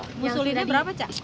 yang ngusulinnya berapa cak